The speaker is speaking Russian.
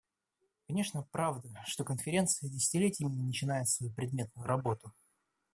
Конечно, правда, что Конференция десятилетиями не начинает свою предметную работу.